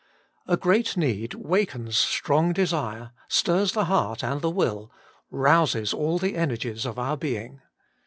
A great need wakens strong desire, stirs the heart and the will, rouses all the energies of our being.